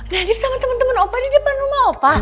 nadif sama temen temen opa di depan rumah opa